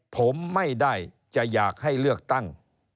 ผมไม่ได้จะอยากให้เลือกตั้ง